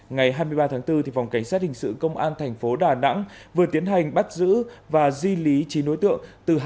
ngày hai mươi ba tháng bốn phòng cánh sát hình sự công an tp đà nẵng vừa tiến hành bắt giữ và di lý chín đối tượng